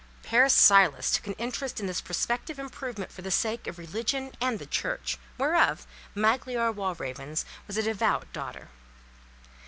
Père Silas took an interest in this prospective improvement for the sake of religion and the church, whereof Magliore Walravens was a devout daughter.